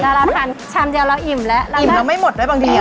แล้วเราทานชามเดียวเราอิ่มแล้วอิ่มแล้วไม่หมดไว้บางทีเนี่ย